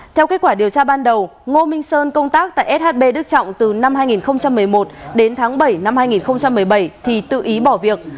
theo kết quả điều tra ban đầu ngô minh sơn công tác tại shb đức trọng từ năm hai nghìn một mươi một đến tháng bảy năm hai nghìn một mươi bảy thì tự ý bỏ việc